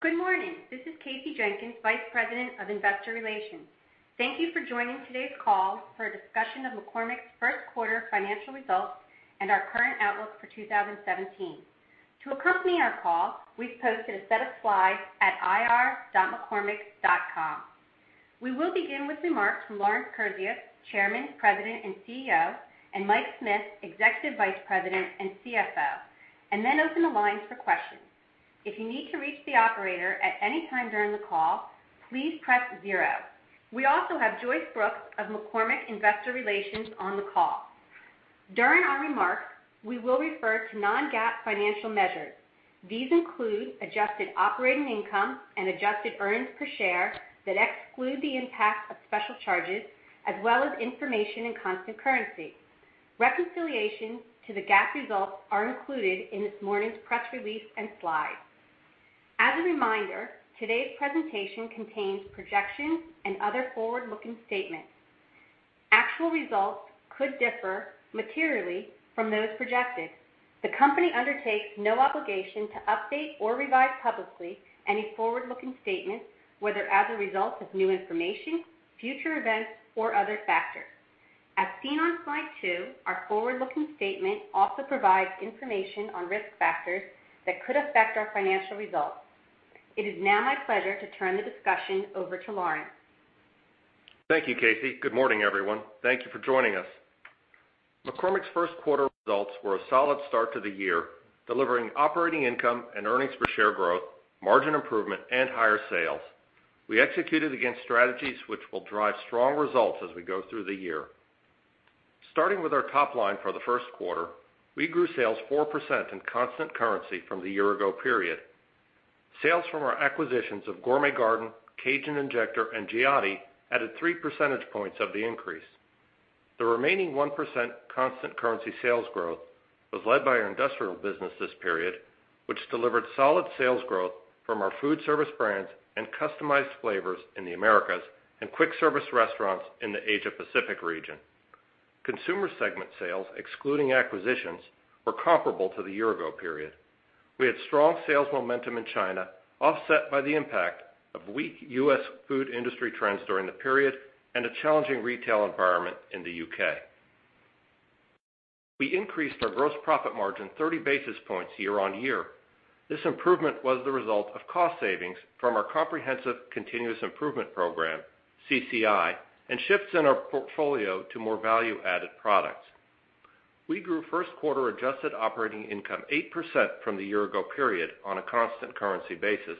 Good morning. This is Kasey Jenkins, Vice President of Investor Relations. Thank you for joining today's call for a discussion of McCormick's first quarter financial results and our current outlook for 2017. To accompany our call, we've posted a set of slides at ir.mccormick.com. We will begin with remarks from Lawrence Kurzius, Chairman, President, and CEO, and Mike Smith, Executive Vice President and CFO, and then open the lines for questions. If you need to reach the operator at any time during the call, please press zero. We also have Joyce Brooks of McCormick Investor Relations on the call. During our remarks, we will refer to non-GAAP financial measures. These include adjusted operating income and adjusted earnings per share that exclude the impact of special charges, as well as information in constant currency. Reconciliation to the GAAP results are included in this morning's press release and slides. As a reminder, today's presentation contains projections and other forward-looking statements. Actual results could differ materially from those projected. The company undertakes no obligation to update or revise publicly any forward-looking statements, whether as a result of new information, future events, or other factors. As seen on slide two, our forward-looking statement also provides information on risk factors that could affect our financial results. It is now my pleasure to turn the discussion over to Lawrence. Thank you, Kasey. Good morning, everyone. Thank you for joining us. McCormick's first quarter results were a solid start to the year, delivering operating income and earnings per share growth, margin improvement, and higher sales. We executed against strategies which will drive strong results as we go through the year. Starting with our top line for the first quarter, we grew sales 4% in constant currency from the year ago period. Sales from our acquisitions of Gourmet Garden, Cajun Injector, and Giotti added three percentage points of the increase. The remaining 1% constant currency sales growth was led by our industrial business this period, which delivered solid sales growth from our food service brands and customized flavors in the Americas and quick service restaurants in the Asia Pacific region. Consumer segment sales, excluding acquisitions, were comparable to the year ago period. We had strong sales momentum in China, offset by the impact of weak U.S. food industry trends during the period and a challenging retail environment in the U.K. We increased our gross profit margin 30 basis points year-on-year. This improvement was the result of cost savings from our comprehensive continuous improvement program, CCI, and shifts in our portfolio to more value-added products. We grew first quarter adjusted operating income 8% from the year ago period on a constant currency basis,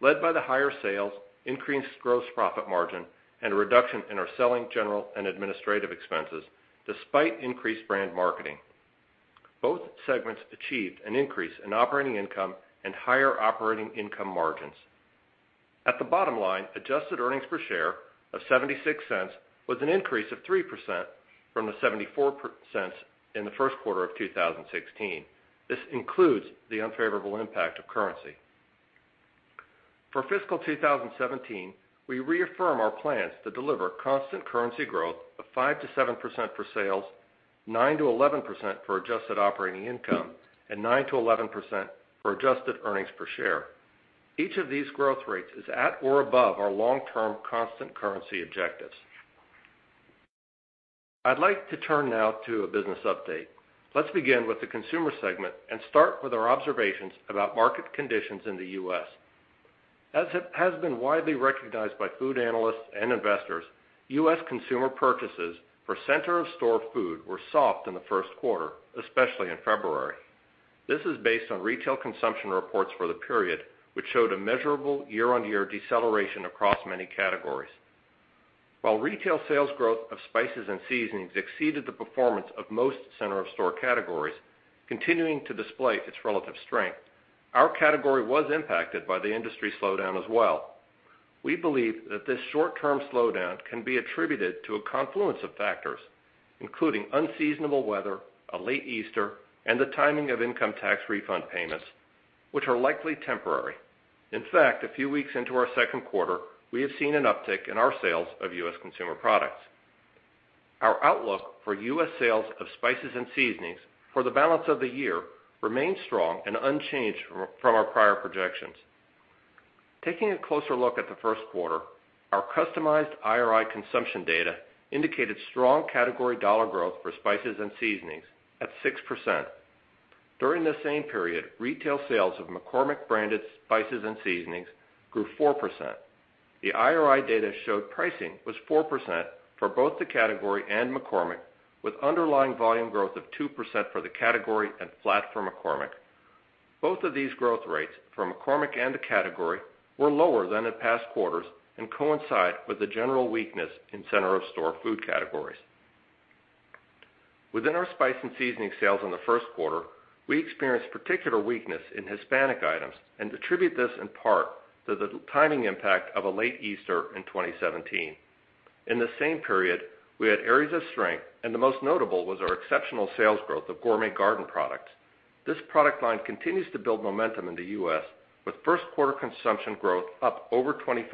led by the higher sales, increased gross profit margin, and a reduction in our selling, general, and administrative expenses, despite increased brand marketing. Both segments achieved an increase in operating income and higher operating income margins. At the bottom line, adjusted earnings per share of $0.76 was an increase of 3% from the $0.74 in the first quarter of 2016. This includes the unfavorable impact of currency. For fiscal 2017, we reaffirm our plans to deliver constant currency growth of 5%-7% for sales, 9%-11% for adjusted operating income, and 9%-11% for adjusted earnings per share. Each of these growth rates is at or above our long-term constant currency objectives. I'd like to turn now to a business update. Let's begin with the consumer segment and start with our observations about market conditions in the U.S. As it has been widely recognized by food analysts and investors, U.S. consumer purchases for center of store food were soft in the first quarter, especially in February. This is based on retail consumption reports for the period, which showed a measurable year-on-year deceleration across many categories. While retail sales growth of spices and seasonings exceeded the performance of most center of store categories, continuing to display its relative strength, our category was impacted by the industry slowdown as well. We believe that this short-term slowdown can be attributed to a confluence of factors, including unseasonable weather, a late Easter, and the timing of income tax refund payments, which are likely temporary. In fact, a few weeks into our second quarter, we have seen an uptick in our sales of U.S. consumer products. Our outlook for U.S. sales of spices and seasonings for the balance of the year remain strong and unchanged from our prior projections. Taking a closer look at the first quarter, our customized IRI consumption data indicated strong category dollar growth for spices and seasonings at 6%. During the same period, retail sales of McCormick branded spices and seasonings grew 4%. The IRI data showed pricing was 4% for both the category and McCormick, with underlying volume growth of 2% for the category and flat for McCormick. Both of these growth rates for McCormick and the category were lower than in past quarters and coincide with the general weakness in center of store food categories. Within our spice and seasoning sales in the first quarter, we experienced particular weakness in Hispanic items and attribute this in part to the timing impact of a late Easter in 2017. In the same period, we had areas of strength, and the most notable was our exceptional sales growth of Gourmet Garden products. This product line continues to build momentum in the U.S., with first quarter consumption growth up over 25%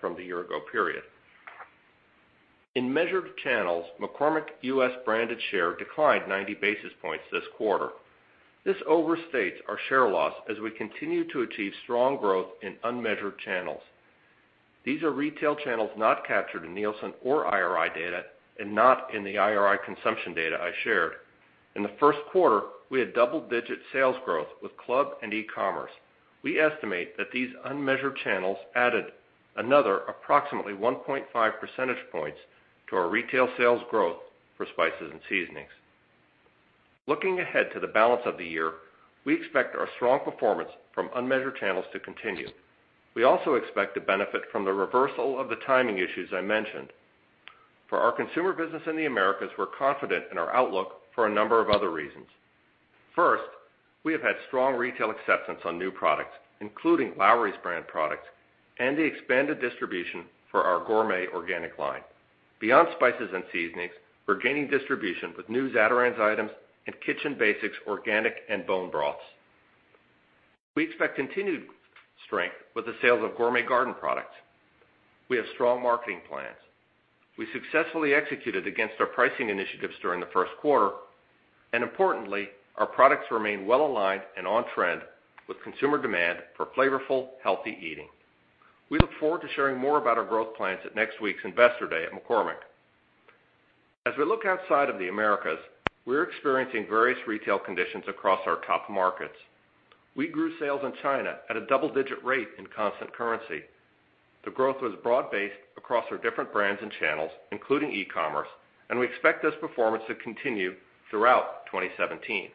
from the year ago period. In measured channels, McCormick U.S. branded share declined 90 basis points this quarter. This overstates our share loss as we continue to achieve strong growth in unmeasured channels. These are retail channels not captured in Nielsen or IRI data and not in the IRI consumption data I shared. In the first quarter, we had double-digit sales growth with club and e-commerce. We estimate that these unmeasured channels added another approximately 1.5 percentage points to our retail sales growth for spices and seasonings. Looking ahead to the balance of the year, we expect our strong performance from unmeasured channels to continue. We also expect to benefit from the reversal of the timing issues I mentioned. For our consumer business in the Americas, we're confident in our outlook for a number of other reasons. First, we have had strong retail acceptance on new products, including Lawry's brand products and the expanded distribution for our gourmet organic line. Beyond spices and seasonings, we're gaining distribution with new Zatarain's items and Kitchen Basics organic and bone broths. We expect continued strength with the sales of Gourmet Garden products. We have strong marketing plans. We successfully executed against our pricing initiatives during the first quarter, and importantly, our products remain well-aligned and on-trend with consumer demand for flavorful, healthy eating. We look forward to sharing more about our growth plans at next week's Investor Day at McCormick. As we look outside of the Americas, we're experiencing various retail conditions across our top markets. We grew sales in China at a double-digit rate in constant currency. The growth was broad-based across our different brands and channels, including e-commerce, and we expect this performance to continue throughout 2017.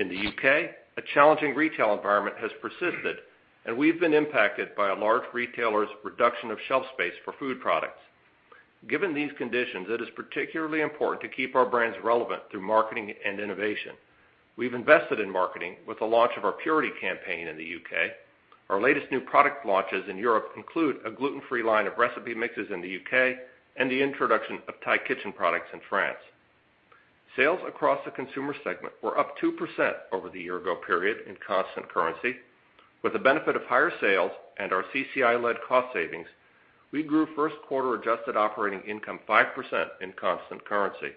In the U.K., a challenging retail environment has persisted, and we've been impacted by a large retailer's reduction of shelf space for food products. Given these conditions, it is particularly important to keep our brands relevant through marketing and innovation. We've invested in marketing with the launch of our Purity campaign in the U.K. Our latest new product launches in Europe include a gluten-free line of recipe mixes in the U.K. and the introduction of Thai Kitchen products in France. Sales across the Consumer segment were up 2% over the year-ago period in constant currency. With the benefit of higher sales and our CCI-led cost savings, we grew first quarter adjusted operating income 5% in constant currency.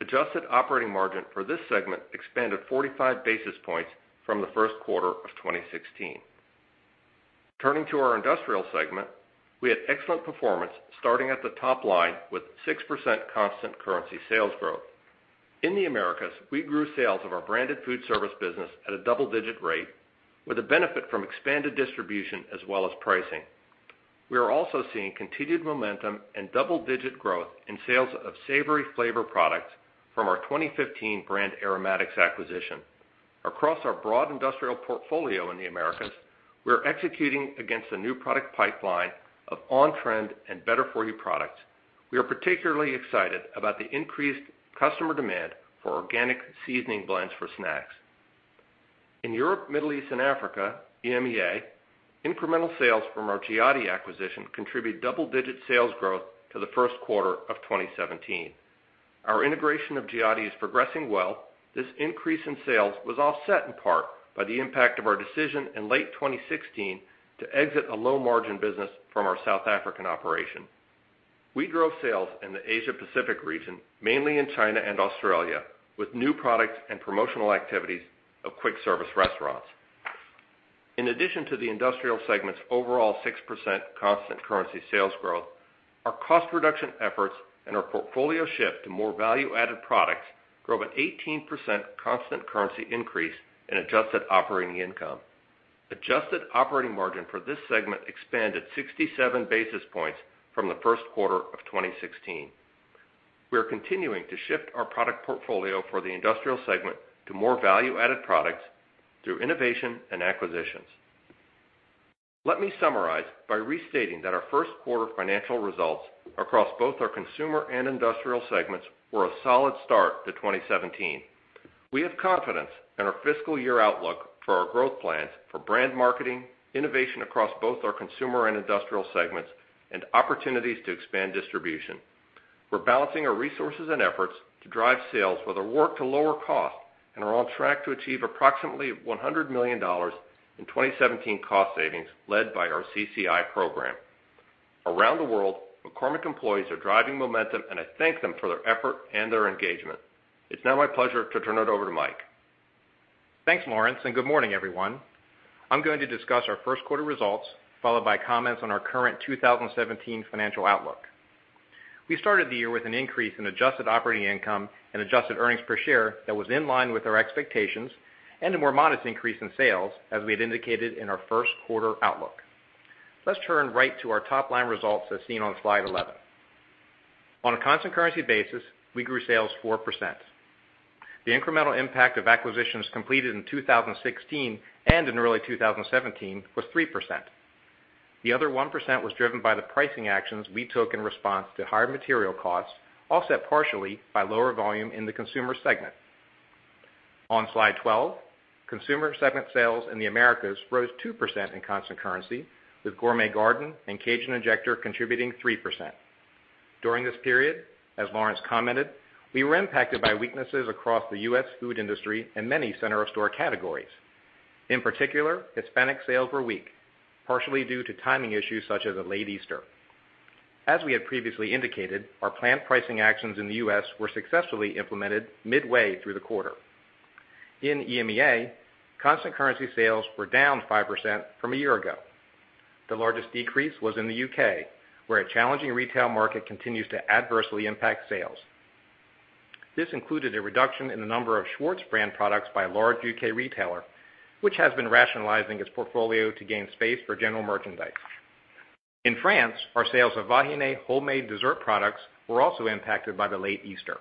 Adjusted operating margin for this segment expanded 45 basis points from the first quarter of 2016. Turning to our Industrial segment, we had excellent performance starting at the top line with 6% constant currency sales growth. In the Americas, we grew sales of our branded food service business at a double-digit rate with the benefit from expanded distribution as well as pricing. We are also seeing continued momentum and double-digit growth in sales of savory flavor products from our 2015 Brand Aromatics acquisition. Across our broad industrial portfolio in the Americas, we are executing against a new product pipeline of on-trend and better-for-you products. We are particularly excited about the increased customer demand for organic seasoning blends for snacks. In Europe, Middle East, and Africa, EMEA, incremental sales from our Giotti acquisition contribute double-digit sales growth to the first quarter of 2017. Our integration of Giotti is progressing well. This increase in sales was offset in part by the impact of our decision in late 2016 to exit a low-margin business from our South African operation. We drove sales in the Asia-Pacific region, mainly in China and Australia, with new products and promotional activities of quick-service restaurants. In addition to the Industrial segment's overall 6% constant currency sales growth, our cost reduction efforts and our portfolio shift to more value-added products drove an 18% constant currency increase in adjusted operating income. Adjusted operating margin for this segment expanded 67 basis points from the first quarter of 2016. We are continuing to shift our product portfolio for the Industrial segment to more value-added products through innovation and acquisitions. Let me summarize by restating that our first quarter financial results across both our Consumer and Industrial segments were a solid start to 2017. We have confidence in our fiscal year outlook for our growth plans for brand marketing, innovation across both our Consumer and Industrial segments, and opportunities to expand distribution. We're balancing our resources and efforts to drive sales with our work to lower costs, are on track to achieve approximately $100 million in 2017 cost savings led by our CCI program. Around the world, McCormick employees are driving momentum, and I thank them for their effort and their engagement. It's now my pleasure to turn it over to Mike. Thanks, Lawrence. Good morning, everyone. I'm going to discuss our first quarter results, followed by comments on our current 2017 financial outlook. We started the year with an increase in adjusted operating income and adjusted earnings per share that was in line with our expectations, a more modest increase in sales as we had indicated in our first quarter outlook. Let's turn right to our top-line results as seen on slide 11. On a constant currency basis, we grew sales 4%. The incremental impact of acquisitions completed in 2016 and in early 2017 was 3%. The other 1% was driven by the pricing actions we took in response to higher material costs, offset partially by lower volume in the consumer segment. On slide 12, consumer segment sales in the Americas rose 2% in constant currency, with Gourmet Garden and Cajun Injector contributing 3%. During this period, as Lawrence commented, we were impacted by weaknesses across the U.S. food industry and many center-of-store categories. In particular, Hispanic sales were weak, partially due to timing issues such as a late Easter. As we had previously indicated, our planned pricing actions in the U.S. were successfully implemented midway through the quarter. In EMEA, constant currency sales were down 5% from a year ago. The largest decrease was in the U.K., where a challenging retail market continues to adversely impact sales. This included a reduction in the number of Schwartz brand products by a large U.K. retailer, which has been rationalizing its portfolio to gain space for general merchandise. In France, our sales of Vahiné homemade dessert products were also impacted by the late Easter.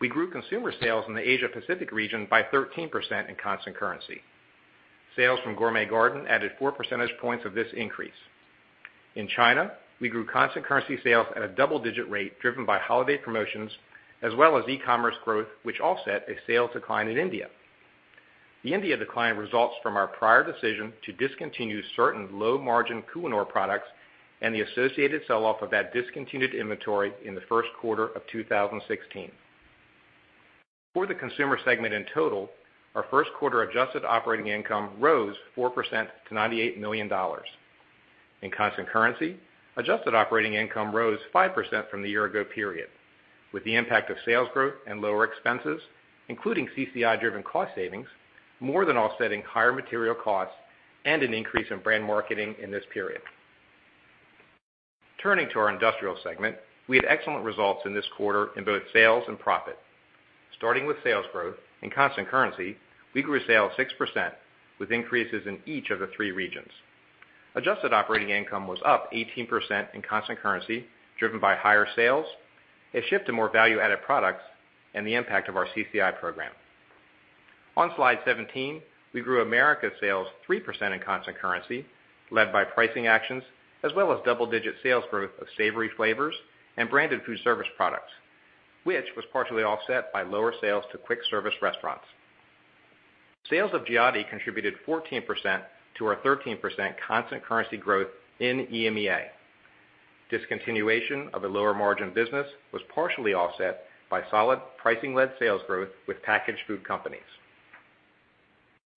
We grew consumer sales in the Asia Pacific region by 13% in constant currency. Sales from Gourmet Garden added four percentage points of this increase. In China, we grew constant currency sales at a double-digit rate, driven by holiday promotions as well as e-commerce growth, which offset a sales decline in India. The India decline results from our prior decision to discontinue certain low-margin Kohinoor products and the associated sell-off of that discontinued inventory in the first quarter of 2016. For the consumer segment in total, our first quarter adjusted operating income rose 4% to $98 million. In constant currency, adjusted operating income rose 5% from the year ago period, with the impact of sales growth and lower expenses, including CCI-driven cost savings, more than offsetting higher material costs and an increase in brand marketing in this period. Turning to our industrial segment, we had excellent results in this quarter in both sales and profit. Starting with sales growth, in constant currency, we grew sales 6%, with increases in each of the three regions. Adjusted operating income was up 18% in constant currency, driven by higher sales, a shift to more value-added products, and the impact of our CCI program. On slide 17, we grew America sales 3% in constant currency, led by pricing actions, as well as double-digit sales growth of savory flavors and branded food service products, which was partially offset by lower sales to quick-service restaurants. Sales of Giotti contributed 14% to our 13% constant currency growth in EMEA. Discontinuation of a lower margin business was partially offset by solid pricing-led sales growth with packaged food companies.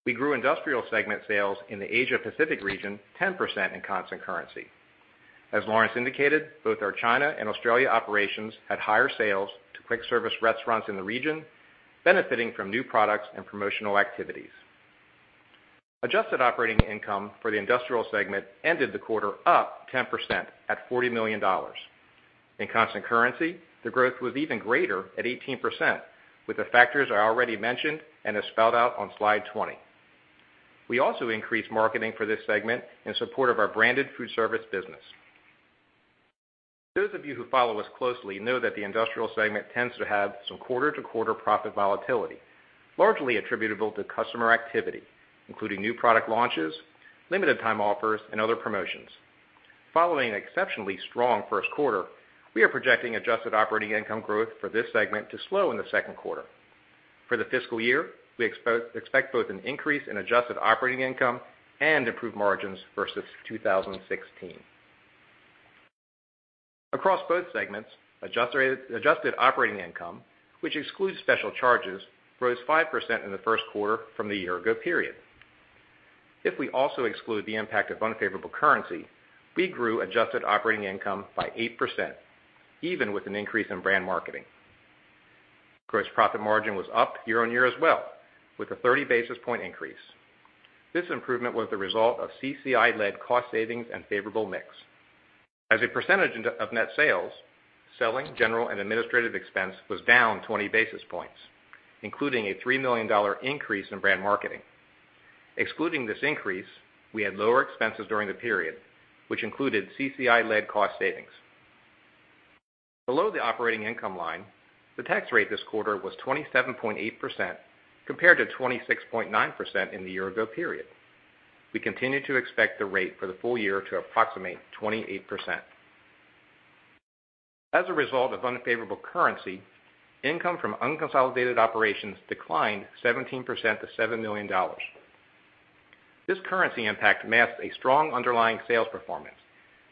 We grew industrial segment sales in the Asia Pacific region 10% in constant currency. As Lawrence indicated, both our China and Australia operations had higher sales to quick-service restaurants in the region, benefiting from new products and promotional activities. Adjusted operating income for the industrial segment ended the quarter up 10% at $40 million. In constant currency, the growth was even greater at 18%, with the factors I already mentioned and as spelled out on slide 20. We also increased marketing for this segment in support of our branded food service business. Those of you who follow us closely know that the industrial segment tends to have some quarter-to-quarter profit volatility, largely attributable to customer activity, including new product launches, limited time offers, and other promotions. Following an exceptionally strong first quarter, we are projecting adjusted operating income growth for this segment to slow in the second quarter. For the fiscal year, we expect both an increase in adjusted operating income and improved margins versus 2016. Across both segments, adjusted operating income, which excludes special charges, rose 5% in the first quarter from the year ago period. If we also exclude the impact of unfavorable currency, we grew adjusted operating income by 8%, even with an increase in brand marketing. Gross profit margin was up year-on-year as well, with a 30-basis point increase. This improvement was the result of CCI-led cost savings and favorable mix. As a percentage of net sales, selling, general, and administrative expense was down 20 basis points, including a $3 million increase in brand marketing. Excluding this increase, we had lower expenses during the period, which included CCI-led cost savings. Below the operating income line, the tax rate this quarter was 27.8%, compared to 26.9% in the year ago period. We continue to expect the rate for the full year to approximate 28%. As a result of unfavorable currency, income from unconsolidated operations declined 17% to $7 million. This currency impact masked a strong underlying sales performance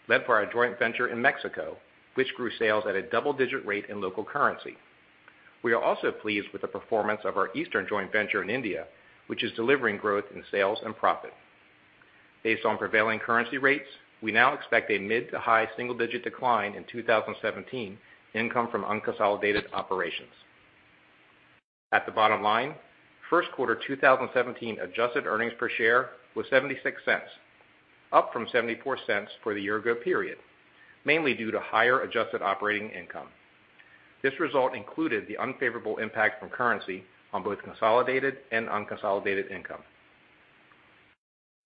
led by our joint venture in Mexico, which grew sales at a double-digit rate in local currency. We are also pleased with the performance of our Eastern joint venture in India, which is delivering growth in sales and profit. Based on prevailing currency rates, we now expect a mid to high single-digit decline in 2017 income from unconsolidated operations. At the bottom line, first quarter 2017 adjusted earnings per share was $0.76, up from $0.74 for the year ago period, mainly due to higher adjusted operating income. This result included the unfavorable impact from currency on both consolidated and unconsolidated income.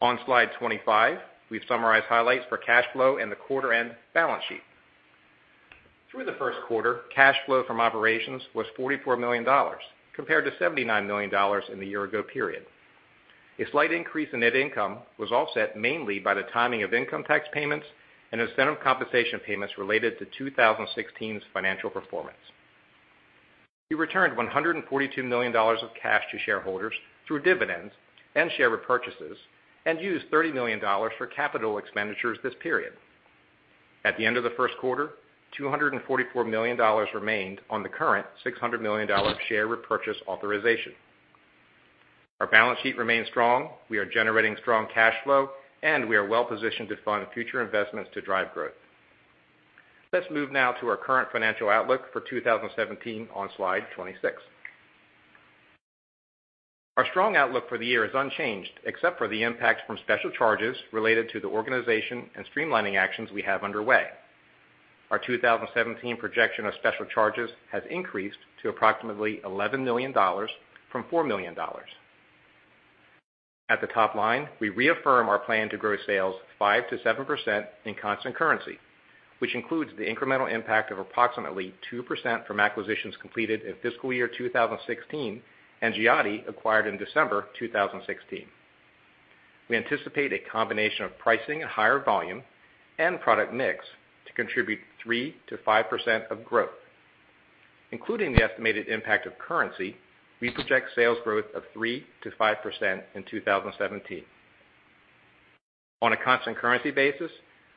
On slide 25, we've summarized highlights for cash flow and the quarter-end balance sheet. Through the first quarter, cash flow from operations was $44 million, compared to $79 million in the year ago period. A slight increase in net income was offset mainly by the timing of income tax payments and incentive compensation payments related to 2016's financial performance. We returned $142 million of cash to shareholders through dividends and share repurchases and used $30 million for capital expenditures this period. At the end of the first quarter, $244 million remained on the current $600 million share repurchase authorization. Our balance sheet remains strong, we are generating strong cash flow, and we are well-positioned to fund future investments to drive growth. Let's move now to our current financial outlook for 2017 on slide 26. Our strong outlook for the year is unchanged, except for the impact from special charges related to the organization and streamlining actions we have underway. Our 2017 projection of special charges has increased to approximately $11 million from $4 million. At the top line, we reaffirm our plan to grow sales 5%-7% in constant currency, which includes the incremental impact of approximately 2% from acquisitions completed in fiscal year 2016 and Giotti acquired in December 2016. We anticipate a combination of pricing and higher volume and product mix to contribute 3%-5% of growth. Including the estimated impact of currency, we project sales growth of 3%-5% in 2017. On a constant currency basis,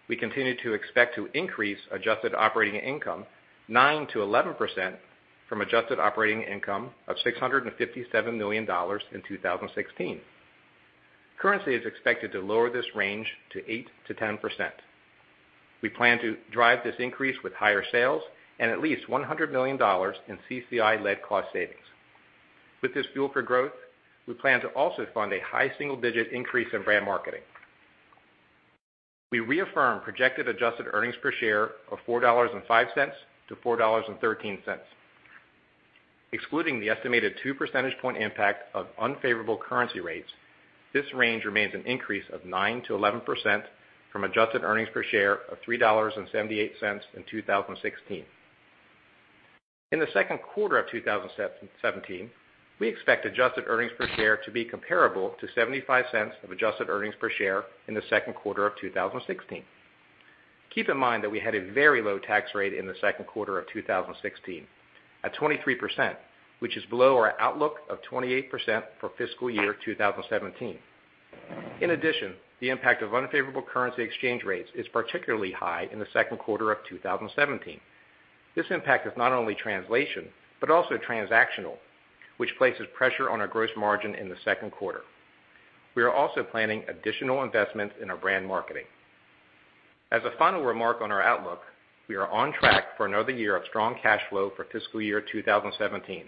we continue to expect to increase adjusted operating income 9%-11% from adjusted operating income of $657 million in 2016. Currency is expected to lower this range to 8%-10%. We plan to drive this increase with higher sales and at least $100 million in CCI-led cost savings. With this fuel for growth, we plan to also fund a high single-digit increase in brand marketing. We reaffirm projected adjusted earnings per share of $4.05-$4.13. Excluding the estimated two percentage point impact of unfavorable currency rates, this range remains an increase of 9%-11% from adjusted earnings per share of $3.78 in 2016. In the second quarter of 2017, we expect adjusted earnings per share to be comparable to $0.75 of adjusted earnings per share in the second quarter of 2016. Keep in mind that we had a very low tax rate in the second quarter of 2016, at 23%, which is below our outlook of 28% for fiscal year 2017. In addition, the impact of unfavorable currency exchange rates is particularly high in the second quarter of 2017. This impact is not only translation, but also transactional, which places pressure on our gross margin in the second quarter. We are also planning additional investments in our brand marketing. As a final remark on our outlook, we are on track for another year of strong cash flow for fiscal year 2017,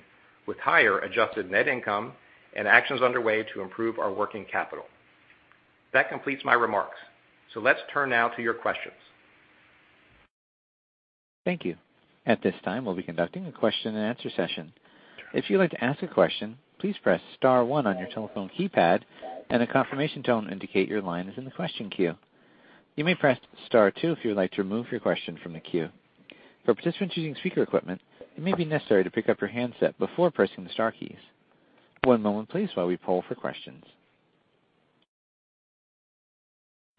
with higher adjusted net income and actions underway to improve our working capital. That completes my remarks. Let's turn now to your questions. Thank you. At this time, we'll be conducting a question and answer session. If you'd like to ask a question, please press *1 on your telephone keypad, and a confirmation tone will indicate your line is in the question queue. You may press *2 if you would like to remove your question from the queue. For participants using speaker equipment, it may be necessary to pick up your handset before pressing the * keys. One moment, please, while we poll for questions.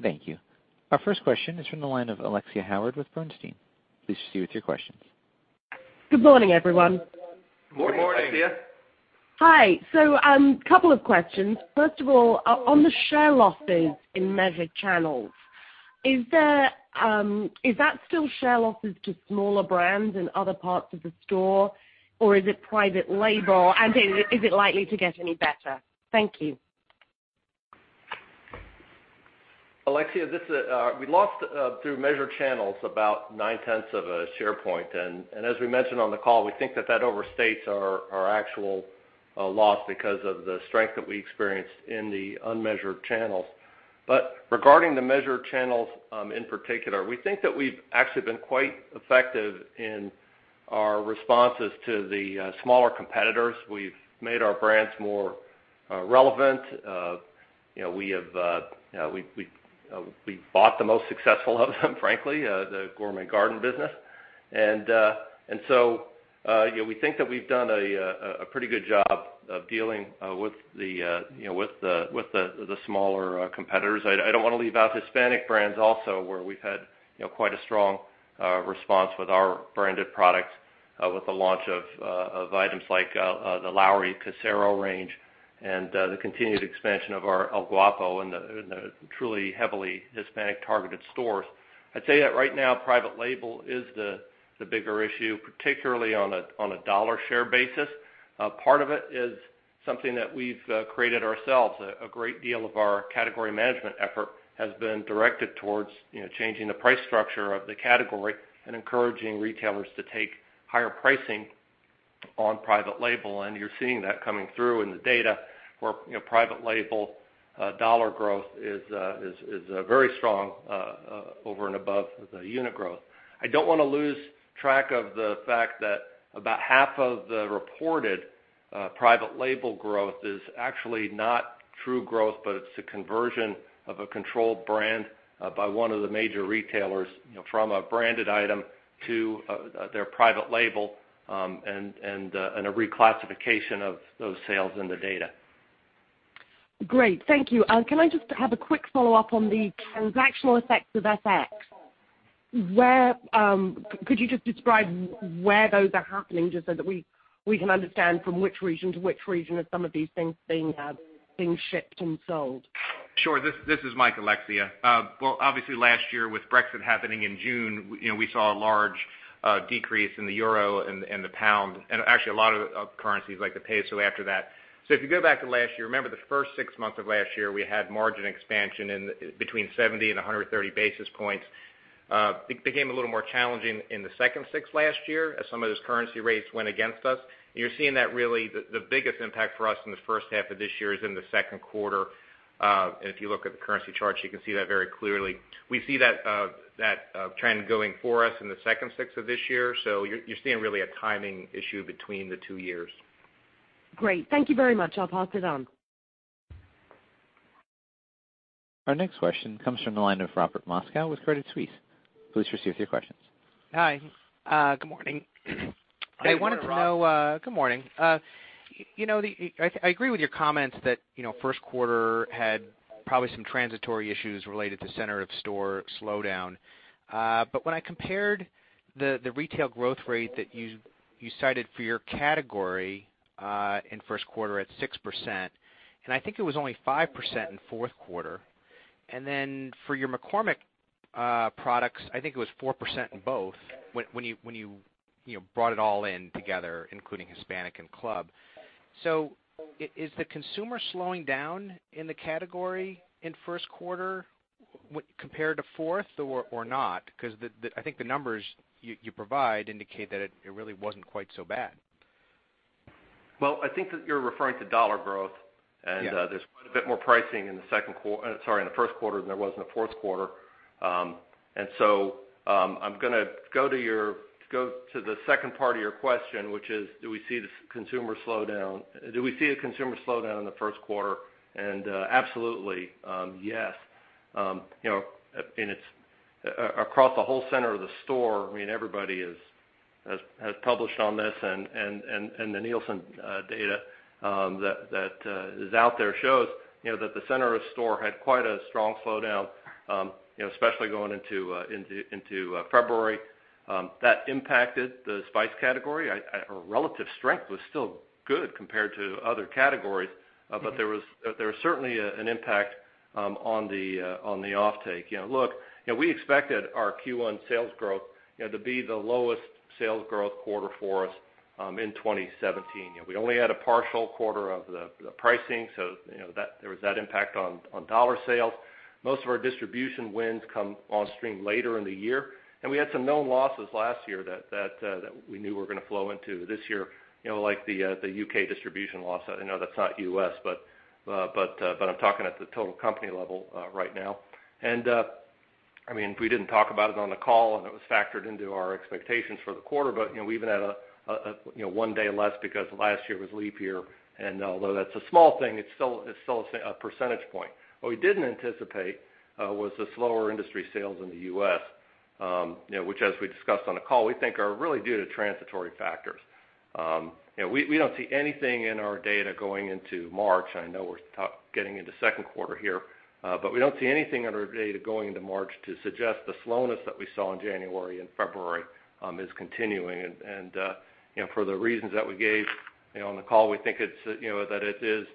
Thank you. Our first question is from the line of Alexia Howard with Bernstein. Please proceed with your questions. Good morning, everyone. Good morning, Alexia. Hi. Couple of questions. First of all, on the share losses in measured channels, is that still share losses to smaller brands in other parts of the store, or is it private label? Is it likely to get any better? Thank you. Alexia, we lost through measured channels about nine-tenths of a share point. As we mentioned on the call, we think that that overstates our actual loss because of the strength that we experienced in the unmeasured channels. Regarding the measured channels in particular, we think that we've actually been quite effective in our responses to the smaller competitors. We've made our brands more relevant. We've bought the most successful of them, frankly, the Gourmet Garden business. We think that we've done a pretty good job of dealing with the smaller competitors. I don't want to leave out Hispanic brands also, where we've had quite a strong response with our branded products, with the launch of items like the Lawry's Casero range and the continued expansion of our El Guapo in the truly heavily Hispanic-targeted stores. I'd say that right now, private label is the bigger issue, particularly on a dollar share basis. Part of it is something that we've created ourselves. A great deal of our category management effort has been directed towards changing the price structure of the category and encouraging retailers to take higher pricing on private label. You're seeing that coming through in the data where private label dollar growth is very strong over and above the unit growth. I don't want to lose track of the fact that about half of the reported private label growth is actually not true growth, but it's the conversion of a controlled brand by one of the major retailers from a branded item to their private label and a reclassification of those sales in the data. Great. Thank you. Can I just have a quick follow-up on the transactional effects of FX? Could you just describe where those are happening, just so that we can understand from which region to which region are some of these things being shipped and sold? Sure. This is Mike Smith. Obviously last year with Brexit happening in June, we saw a large decrease in the euro and the pound, and actually a lot of currencies like the peso after that. If you go back to last year, remember the first six months of last year, we had margin expansion in between 70 and 130 basis points. Became a little more challenging in the second six last year, as some of those currency rates went against us. You're seeing that really, the biggest impact for us in the first half of this year is in the second quarter. If you look at the currency charts, you can see that very clearly. We see that trend going for us in the second six of this year. You're seeing really a timing issue between the two years. Great. Thank you very much. I'll pass it on. Our next question comes from the line of Robert Moskow with Credit Suisse. Please proceed with your questions. Hi. Good morning. Good morning, Rob. Good morning. I agree with your comments that first quarter had probably some transitory issues related to center of store slowdown. When I compared the retail growth rate that you cited for your category, in first quarter at 6%, I think it was only 5% in fourth quarter. For your McCormick products, I think it was 4% in both when you brought it all in together, including Hispanic and club. Is the consumer slowing down in the category in first quarter compared to fourth or not? I think the numbers you provide indicate that it really wasn't quite so bad. I think that you're referring to dollar growth. Yeah There's quite a bit more pricing in the first quarter than there was in the fourth quarter. I'm going to go to the second part of your question, which is, do we see a consumer slowdown in the first quarter? Absolutely. Yes. It's across the whole center of the store, everybody has published on this and the Nielsen data that is out there shows that the center of store had quite a strong slowdown, especially going into February. That impacted the spice category. Our relative strength was still good compared to other categories. There was certainly an impact on the offtake. Look, we expected our Q1 sales growth to be the lowest sales growth quarter for us, in 2017. We only had a partial quarter of the pricing, so there was that impact on dollar sales. Most of our distribution wins come on stream later in the year, we had some known losses last year that we knew were going to flow into this year, like the U.K. distribution loss. I know that's not U.S., I'm talking at the total company level right now. We didn't talk about it on the call and it was factored into our expectations for the quarter, we even had one day less because last year was leap year, although that's a small thing, it's still a percentage point. What we didn't anticipate was the slower industry sales in the U.S., which as we discussed on the call, we think are really due to transitory factors. We don't see anything in our data going into March. I know we're getting into second quarter here, we don't see anything in our data going into March to suggest the slowness that we saw in January and February is continuing. For the reasons that we gave on the call, we think that it is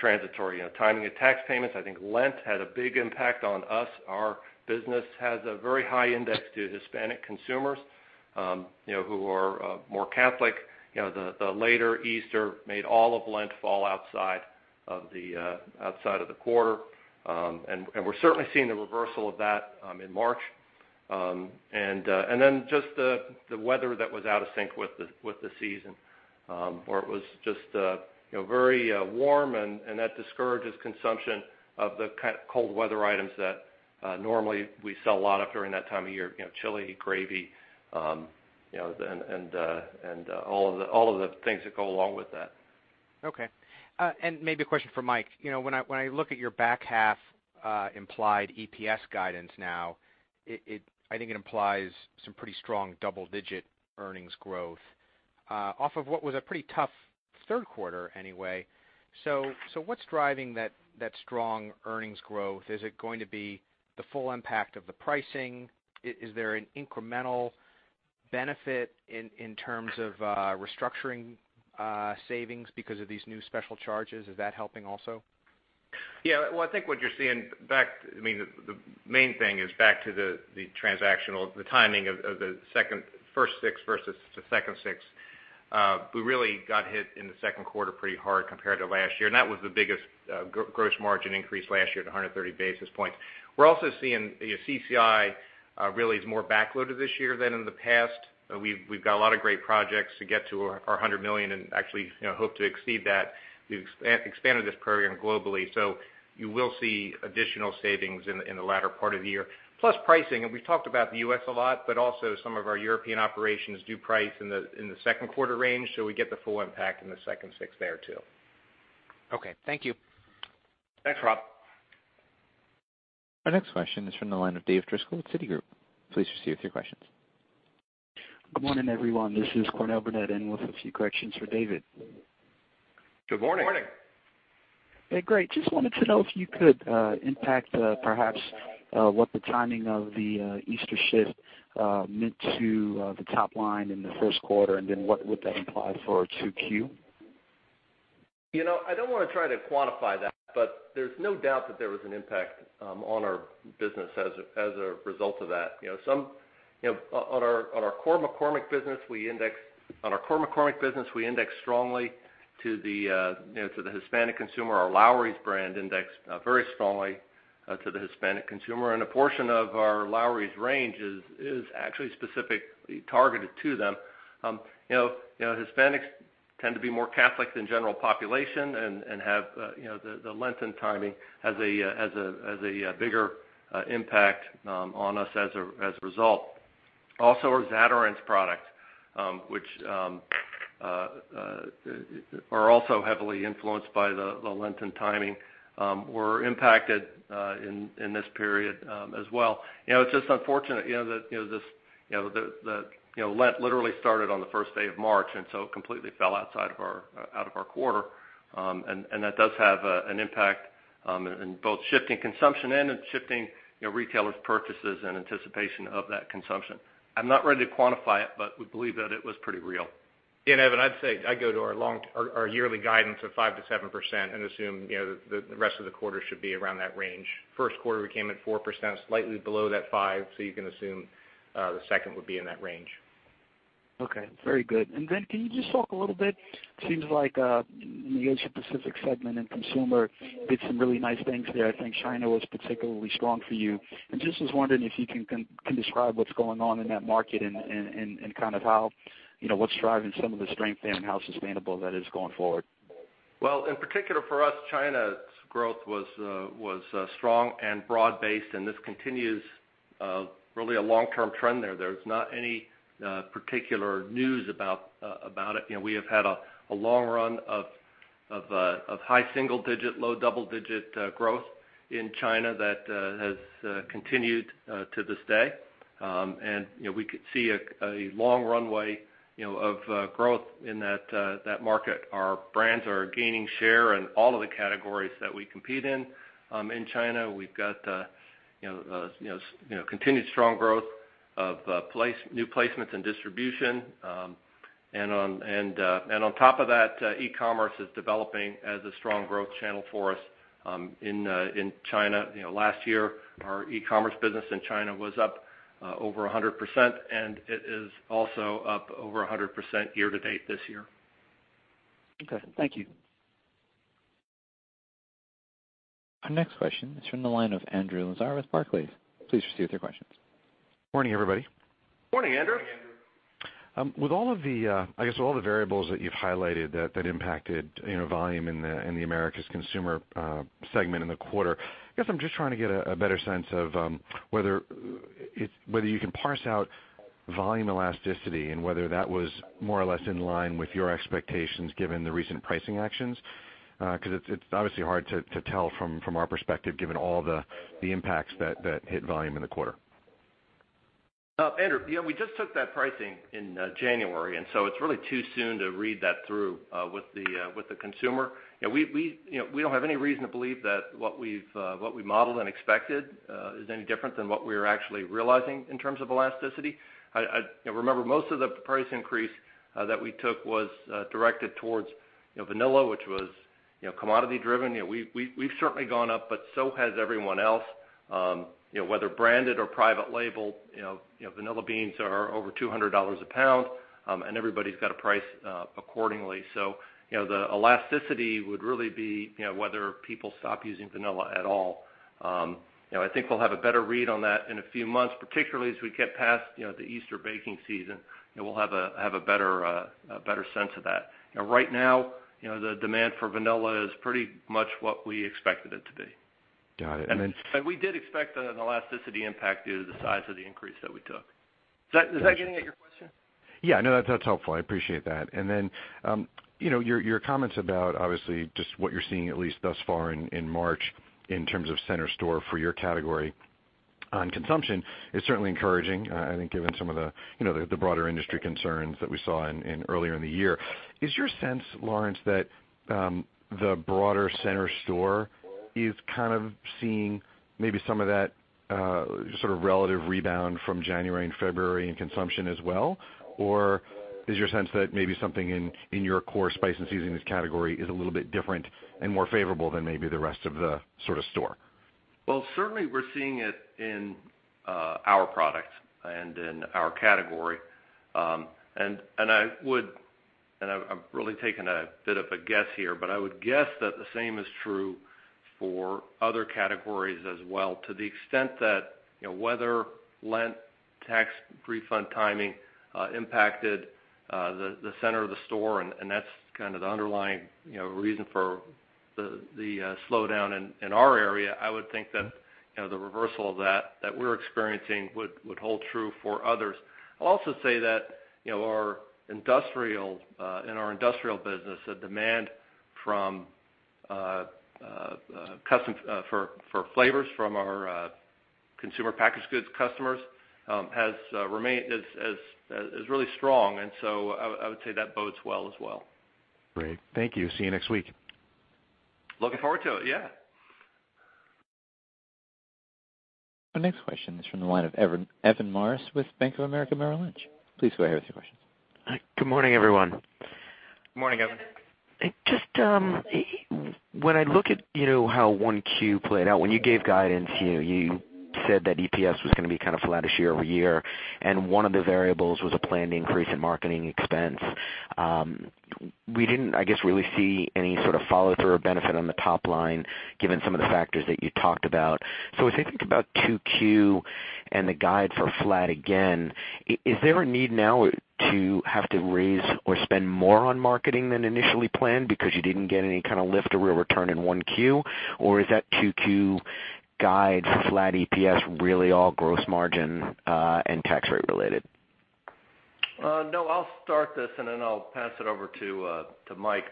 transitory. Timing of tax payments, I think Lent had a big impact on us. Our business has a very high index to Hispanic consumers, who are more Catholic. The later Easter made all of Lent fall outside of the quarter. We're certainly seeing the reversal of that in March. Just the weather that was out of sync with the season, where it was just very warm and that discourages consumption of the cold weather items that normally we sell a lot of during that time of year, chili, gravy, and all of the things that go along with that. Okay. Maybe a question for Mike. When I look at your back half implied EPS guidance now, I think it implies some pretty strong double-digit earnings growth off of what was a pretty tough third quarter anyway. What's driving that strong earnings growth? Is it going to be the full impact of the pricing? Is there an incremental benefit in terms of restructuring savings because of these new special charges? Is that helping also? Yeah. Well, I think what you're seeing, the main thing is back to the transactional, the timing of the first six versus the second six. We really got hit in the second quarter pretty hard compared to last year, and that was the biggest gross margin increase last year at 130 basis points. We're also seeing CCI really is more backloaded this year than in the past. We've got a lot of great projects to get to our $100 million and actually hope to exceed that. We've expanded this program globally, so you will see additional savings in the latter part of the year. Plus pricing, and we've talked about the U.S. a lot, but also some of our European operations do price in the second quarter range, so we get the full impact in the second six there, too. Okay. Thank you. Thanks, Rob. Our next question is from the line of David Driscoll at Citigroup. Please proceed with your questions. Good morning, everyone. This is Cornell Burnette in with a few questions for David. Good morning. Hey, great. Just wanted to know if you could impact perhaps what the timing of the Easter shift meant to the top line in the first quarter, and then what would that imply for 2Q? I don't want to try to quantify that, but there's no doubt that there was an impact on our business as a result of that. On our core McCormick business, we index strongly to the Hispanic consumer. Our Lawry's brand indexed very strongly to the Hispanic consumer, and a portion of our Lawry's range is actually specifically targeted to them. Hispanics tend to be more Catholic than general population and the Lenten timing has a bigger impact on us as a result. Also, our Zatarain's product, which are also heavily influenced by the Lenten timing, were impacted in this period as well. It's just unfortunate that Lent literally started on the first day of March, so it completely fell out of our quarter. That does have an impact in both shifting consumption and in shifting retailers' purchases in anticipation of that consumption. I'm not ready to quantify it, but we believe that it was pretty real. Evan, I'd say I go to our yearly guidance of 5%-7% and assume the rest of the quarter should be around that range. First quarter, we came in 4%, slightly below that 5%, so you can assume the second would be in that range. Okay. Very good. Then can you just talk a little bit, seems like in the Asia Pacific segment and Consumer did some really nice things there. I think China was particularly strong for you, was wondering if you can describe what's going on in that market and what's driving some of the strength there and how sustainable that is going forward? Well, in particular for us, China's growth was strong and broad-based, this continues really a long-term trend there. There's not any particular news about it. We have had a long run of high single digit, low double digit growth in China that has continued to this day. We could see a long runway of growth in that market. Our brands are gaining share in all of the categories that we compete in China. We've got continued strong growth of new placements and distribution. On top of that, e-commerce is developing as a strong growth channel for us in China. Last year, our e-commerce business in China was up over 100%, and it is also up over 100% year to date this year. Okay. Thank you. Our next question is from the line of Andrew Lazar with Barclays. Please proceed with your questions. Morning, everybody. Morning, Andrew. With all of the variables that you've highlighted that impacted volume in the Americas Consumer segment in the quarter, I guess I'm just trying to get a better sense of whether you can parse out volume elasticity and whether that was more or less in line with your expectations given the recent pricing actions. It's obviously hard to tell from our perspective, given all the impacts that hit volume in the quarter. Andrew, we just took that pricing in January, it's really too soon to read that through with the consumer. We don't have any reason to believe that what we modeled and expected is any different than what we're actually realizing in terms of elasticity. Remember, most of the price increase that we took was directed towards vanilla, which was commodity driven. We've certainly gone up, but so has everyone else. Whether branded or private label, vanilla beans are over $200 a pound, and everybody's got to price accordingly. The elasticity would really be whether people stop using vanilla at all. I think we'll have a better read on that in a few months, particularly as we get past the Easter baking season, we'll have a better sense of that. Right now, the demand for vanilla is pretty much what we expected it to be. Got it. We did expect an elasticity impact due to the size of the increase that we took. Is that getting at your question? Yeah. No, that's helpful. I appreciate that. Your comments about obviously just what you're seeing at least thus far in March in terms of center store for your category on consumption is certainly encouraging, I think, given some of the broader industry concerns that we saw earlier in the year. Is your sense, Lawrence, that the broader center store is kind of seeing maybe some of that sort of relative rebound from January and February in consumption as well? Or is your sense that maybe something in your core spice and seasonings category is a little bit different and more favorable than maybe the rest of the store? Well, certainly we're seeing it in our product and in our category. I'm really taking a bit of a guess here, but I would guess that the same is true for other categories as well to the extent that weather, Lent, tax refund timing impacted the center of the store and that's kind of the underlying reason for the slowdown in our area. I would think that the reversal of that that we're experiencing would hold true for others. I'll also say that in our industrial business, the demand for flavors from our consumer packaged goods customers is really strong. So I would say that bodes well as well. Great. Thank you. See you next week. Looking forward to it. Yeah. Our next question is from the line of Evan Morris with Bank of America Merrill Lynch. Please go ahead with your questions. Hi. Good morning, everyone. Morning, Evan. Just when I look at how 1Q played out, when you gave guidance, you said that EPS was going to be flat-ish year-over-year, one of the variables was a planned increase in marketing expense. We didn't, I guess, really see any sort of follow-through or benefit on the top line, given some of the factors that you talked about. As I think about 2Q and the guide for flat again, is there a need now to have to raise or spend more on marketing than initially planned because you didn't get any kind of lift or real return in 1Q? Or is that 2Q guide flat EPS really all gross margin and tax rate related? No, I'll start this, then I'll pass it over to Mike.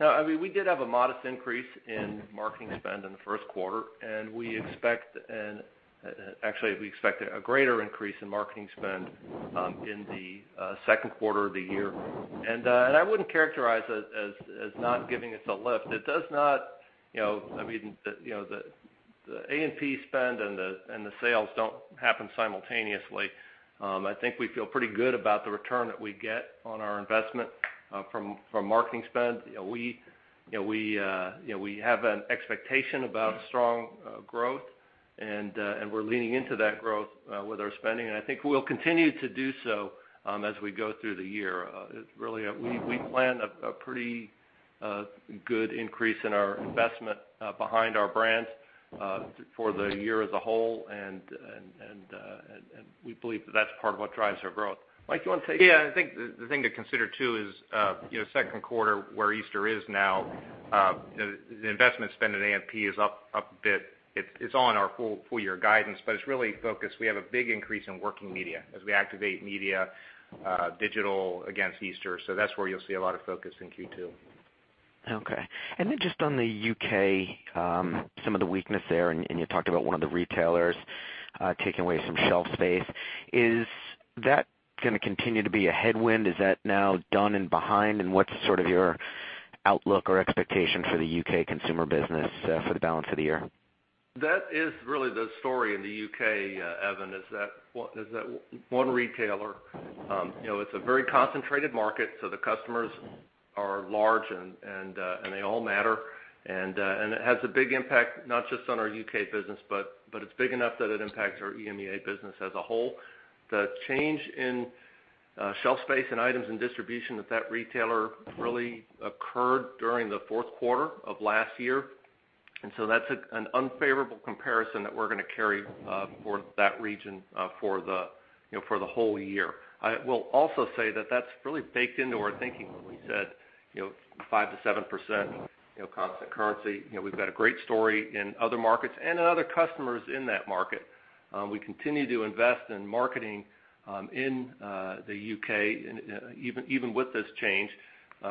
No, we did have a modest increase in marketing spend in the first quarter, and we expect a greater increase in marketing spend in the second quarter of the year. I wouldn't characterize it as not giving us a lift. The A&P spend and the sales don't happen simultaneously. I think we feel pretty good about the return that we get on our investment from marketing spend. We have an expectation about strong growth and we're leaning into that growth with our spending, and I think we'll continue to do so as we go through the year. We plan a pretty good increase in our investment behind our brands for the year as a whole, and we believe that's part of what drives our growth. Mike, you want to say anything? Yeah, I think the thing to consider too is, second quarter, where Easter is now, the investment spend in A&P is up a bit. It's on our full year guidance, but it's really focused. We have a big increase in working media as we activate media digital against Easter. That's where you'll see a lot of focus in Q2. Just on the U.K., some of the weakness there, and you talked about one of the retailers taking away some shelf space. Is that going to continue to be a headwind? Is that now done and behind? What's your outlook or expectation for the U.K. consumer business for the balance of the year? That is really the story in the U.K., Evan, is that one retailer. It's a very concentrated market, so the customers are large, and they all matter. It has a big impact, not just on our U.K. business, but it's big enough that it impacts our EMEA business as a whole. The change in shelf space and items and distribution at that retailer really occurred during the fourth quarter of last year. That's an unfavorable comparison that we're going to carry for that region for the whole year. I will also say that that's really baked into our thinking when we said 5%-7% constant currency. We've got a great story in other markets and in other customers in that market. We continue to invest in marketing in the U.K., even with this change,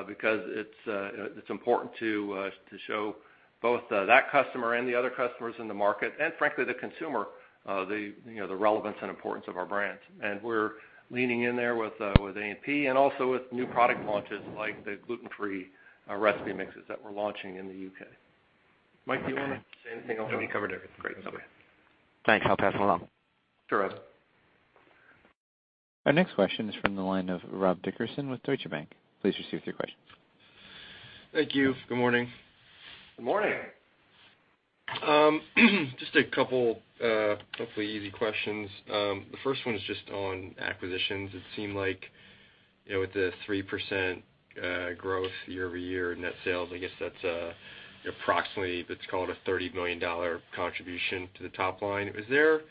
because it's important to show both that customer and the other customers in the market, and frankly, the consumer, the relevance and importance of our brands. We're leaning in there with A&P and also with new product launches like the gluten-free recipe mixes that we're launching in the U.K. Mike, do you want to say anything? No, you covered everything. Great. Okay. Thanks. I'll pass it along. Sure, Evan. Our next question is from the line of Rob Dickerson with Deutsche Bank. Please proceed with your question. Thank you. Good morning. Good morning. Just a couple, hopefully easy questions. The first one is just on acquisitions. It seemed like with the 3% growth year-over-year in net sales, I guess that's approximately, let's call it a $30 million contribution to the top line. Is there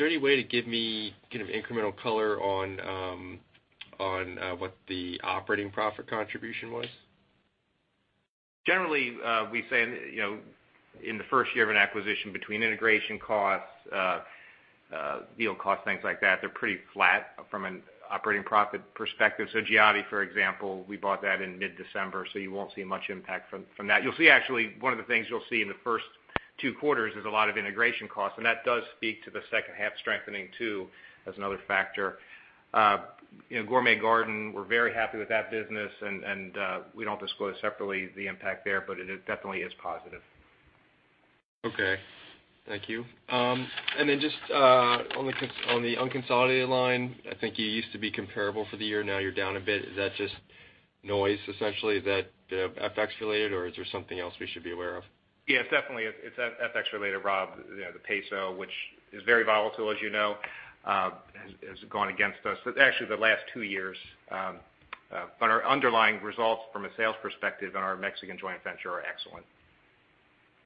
any way to give me incremental color on what the operating profit contribution was? Generally, we say in the first year of an acquisition between integration costs, deal costs, things like that, they're pretty flat from an operating profit perspective. Giotti, for example, we bought that in mid-December, so you won't see much impact from that. One of the things you'll see in the first two quarters is a lot of integration costs, and that does speak to the second half strengthening, too, as another factor. Gourmet Garden, we're very happy with that business, and we don't disclose separately the impact there, but it definitely is positive. Okay. Thank you. Then just on the unconsolidated line, I think you used to be comparable for the year. Now you're down a bit. Is that just noise, essentially? Is that FX related, or is there something else we should be aware of? It's definitely FX related, Rob. The peso, which is very volatile as you know, has gone against us actually the last two years. Our underlying results from a sales perspective in our Mexican joint venture are excellent.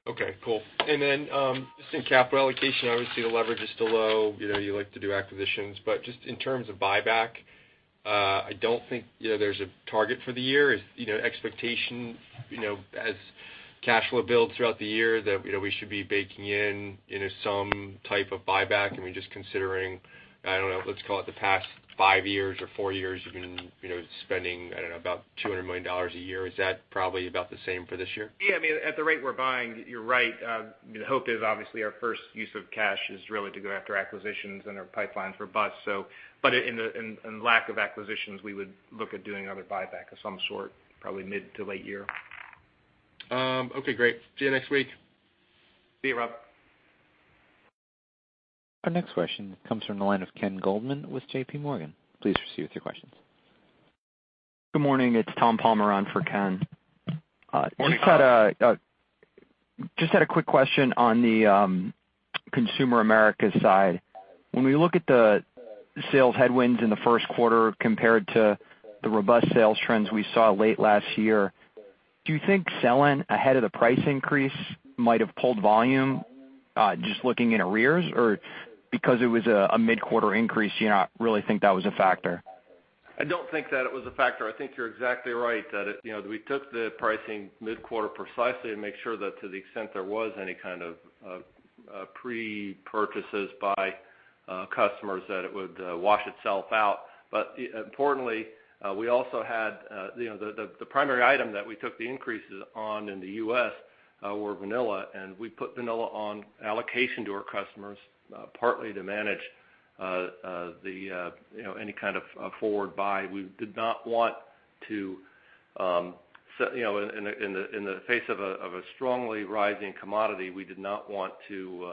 Okay, cool. Just in capital allocation, obviously the leverage is still low. You like to do acquisitions, just in terms of buyback, I don't think there's a target for the year. Expectation as cash flow builds throughout the year that we should be baking in some type of buyback. Just considering, I don't know, let's call it the past five years or four years, you've been spending, I don't know, about $200 million a year. Is that probably about the same for this year? At the rate we're buying, you're right. The hope is obviously our first use of cash is really to go after acquisitions and our pipeline's robust. In lack of acquisitions, we would look at doing another buyback of some sort, probably mid to late year. Okay, great. See you next week. See you, Rob. Our next question comes from the line of Ken Goldman with J.P. Morgan. Please proceed with your questions. Good morning. It's Tom Palmer on for Ken. Morning, Tom. Just had a quick question on the Consumer Americas side. When we look at the sales headwinds in the first quarter compared to the robust sales trends we saw late last year, do you think selling ahead of the price increase might have pulled volume, just looking in arrears? Or because it was a mid-quarter increase, you're not really think that was a factor? I don't think that it was a factor. I think you're exactly right that we took the pricing mid-quarter precisely to make sure that to the extent there was any kind of pre-purchases by customers, that it would wash itself out. Importantly, we also had the primary item that we took the increases on in the U.S. were vanilla, and we put vanilla on allocation to our customers, partly to manage any kind of forward buy. We did not want to, in the face of a strongly rising commodity, we did not want to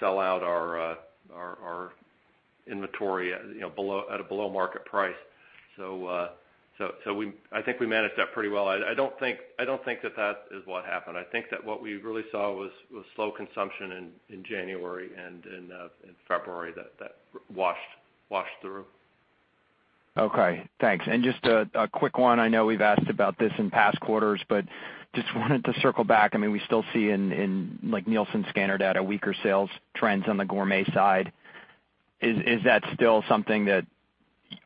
sell out our inventory at a below market price. I think we managed that pretty well. I don't think that that is what happened. I think that what we really saw was slow consumption in January and in February that washed through. Okay, thanks. Just a quick one, I know we've asked about this in past quarters, but just wanted to circle back. We still see in Nielsen scanner data, weaker sales trends on the gourmet side. Is that still something that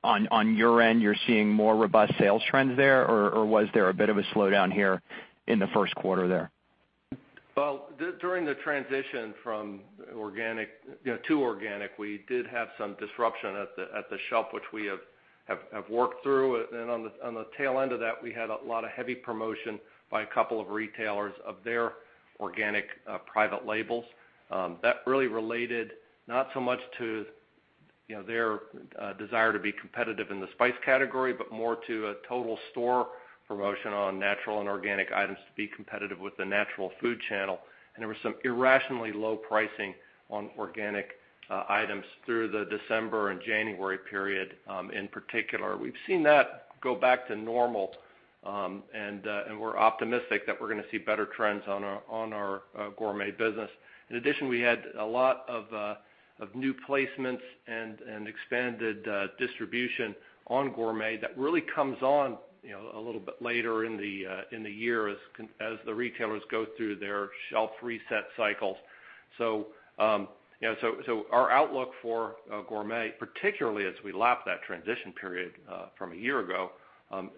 on your end, you're seeing more robust sales trends there? Or was there a bit of a slowdown here in the first quarter there? Well, during the transition to organic, we did have some disruption at the shelf, which we have worked through. On the tail end of that, we had a lot of heavy promotion by a couple of retailers of their organic private labels. That really related not so much to their desire to be competitive in the spice category, but more to a total store promotion on natural and organic items to be competitive with the natural food channel. There was some irrationally low pricing on organic items through the December and January period, in particular. We've seen that go back to normal, we're optimistic that we're going to see better trends on our gourmet business. In addition, we had a lot of new placements and expanded distribution on Gourmet Garden that really comes on a little bit later in the year as the retailers go through their shelf reset cycles. Our outlook for Gourmet Garden, particularly as we lap that transition period from a year ago,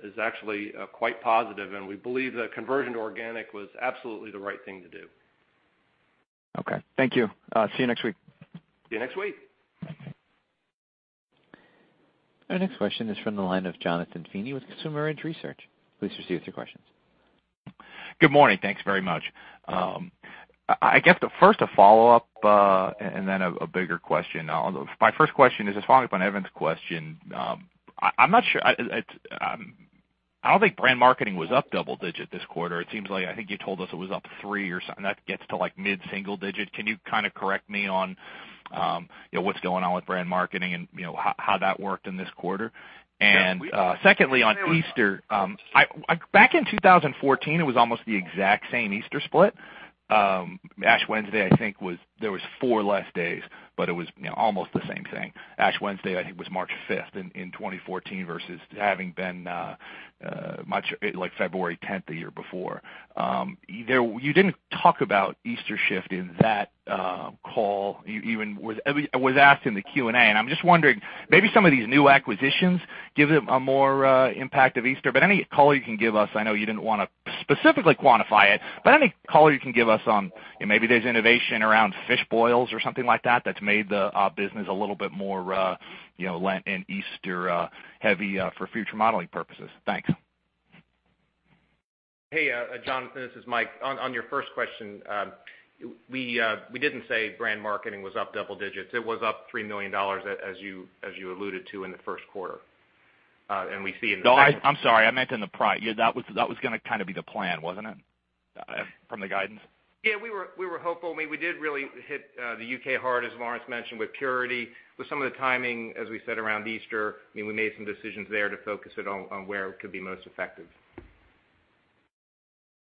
is actually quite positive, and we believe that conversion to organic was absolutely the right thing to do. Okay. Thank you. See you next week. See you next week. Our next question is from the line of Jonathan Feeney with Consumer Edge Research. Please proceed with your questions. Good morning. Thanks very much. I guess the first, a follow-up, and then a bigger question. My first question is, following up on Evan's question. I'm not sure. I don't think brand marketing was up double-digit this quarter. It seems like, I think you told us it was up three or something. That gets to mid-single-digit. Can you correct me on what's going on with brand marketing and how that worked in this quarter? Secondly, on Easter, back in 2014, it was almost the exact same Easter split. Ash Wednesday, I think there was four less days, but it was almost the same thing. Ash Wednesday, I think, was March 5th in 2014 versus having been February 10th the year before. You didn't talk about Easter shift in that call, it was asked in the Q&A, and I'm just wondering, maybe some of these new acquisitions give it a more impact of Easter, but any color you can give us, I know you didn't want to specifically quantify it, but any color you can give us on maybe there's innovation around fish boils or something like that that's made the business a little bit more Lent and Easter-heavy for future modeling purposes. Thanks. Hey, Jonathan, this is Mike. On your first question, we didn't say brand marketing was up double-digits. It was up $3 million, as you alluded to in the first quarter. No, I'm sorry. That was going to be the plan, wasn't it, from the guidance? Yeah, we were hopeful. We did really hit the U.K. hard, as Lawrence mentioned, with Purity, with some of the timing, as we said, around Easter. We made some decisions there to focus it on where it could be most effective.